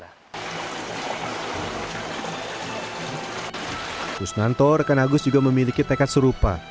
kusnanto rekan agus juga memiliki tekad serupa